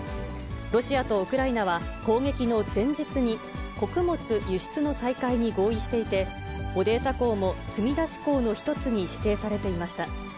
ロシアとウクライナは攻撃の前日に、穀物輸出の再開に合意していて、オデーサ港も積出港の１つに指定されていました。